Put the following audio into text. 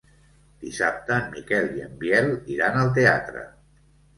Dissabte en Miquel i en Biel iran al teatre.